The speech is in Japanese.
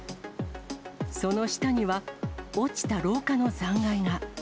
その下には落ちた廊下の残骸が。